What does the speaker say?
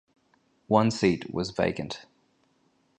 One seat was vacant.